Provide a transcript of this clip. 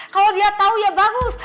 kalau dia tahu ya bagus